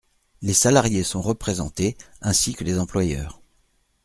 Les salariés sont représentés, ainsi que les employeurs.